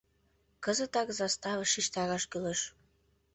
Кызытак заставыш шижтараш кӱлеш.